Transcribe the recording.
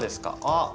あっ。